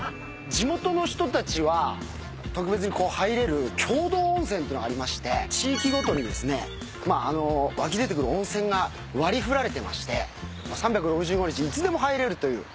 地元の人たちは特別に入れる共同温泉っていうのがありまして地域ごとにですね湧き出てくる温泉が割り振られてまして３６５日いつでも入れるという。